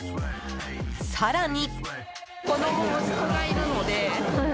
更に。